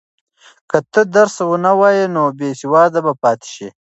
که ته درس ونه وایې نو بېسواده به پاتې شې.